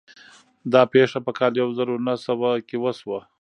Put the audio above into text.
دا پېښه په کال يو زر و نهه سوه کې وشوه.